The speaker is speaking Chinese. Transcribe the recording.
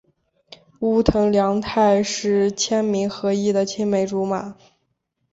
须藤良太是千明和义的青梅竹马。